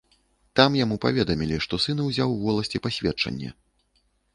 Там яму паведамілі, што сын узяў у воласці пасведчанне.